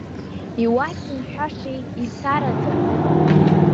Иуасымҳәашеи, исараӡа…